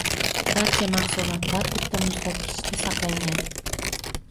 Barcha mahsulotlar bitta muzlatgichda saqlangan.